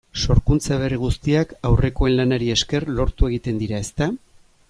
Sorkuntza berri guztiak aurrekoen lanari esker lortu egiten dira, ezta?